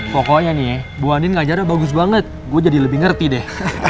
pokoknya nih bu andin ngajarnya bagus banget gue jadi lebih ngerti deh